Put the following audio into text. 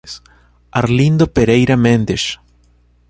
Arlindo Pereira Mendes